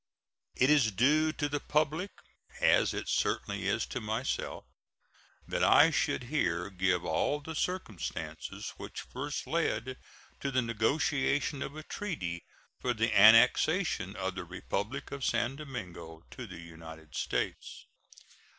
It is due to the public, as it certainly is to myself, that I should here give all the circumstances which first led to the negotiation of a treaty for the annexation of the Republic of San Domingo to the United States.